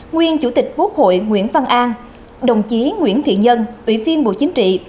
nguyên chủ tịch quốc hội nguyễn phan an đồng chí nguyễn thị nhân ủy viên bộ chính trị